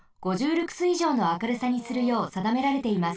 ルクスいじょうの明るさにするようさだめられています。